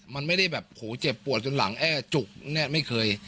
มันไม่ได้แบบโหเจ็บปวดจนหลังแอจุกเนี่ยไม่เคย